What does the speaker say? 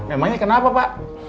emangnya kenapa pak